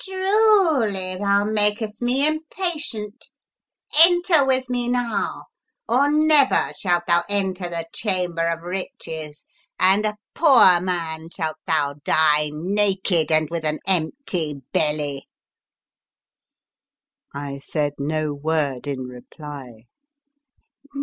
1 ' Truly thou makest me impatient ! Enter with me now, or never shalt thou enter the Chamber of Riches, and 82 The Fearsome Island a poor man shalt thou die, naked and with an empty belly!" I said no word in reply.